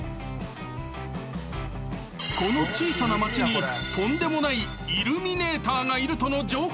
［この小さな町にとんでもないイルミネーターがいるとの情報が］